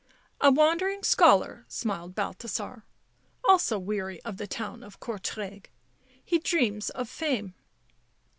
" A wandering scholar," smiled Balthasar. " Also weary of the town of Courtrai. He dreams of fame."